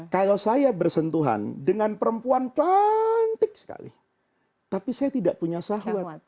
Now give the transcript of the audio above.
kalau saya bersentuhan dengan perempuan cantik sekali tapi saya tidak punya sahwat